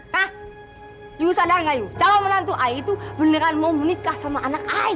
kamu sadar tidak calon menantu saya itu beneran mau menikah sama anak saya